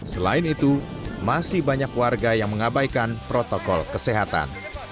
selain itu masih banyak warga yang mengabaikan protokol kesehatan